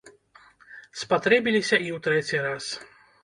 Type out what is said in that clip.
Спатрэбіліся і ў трэці раз.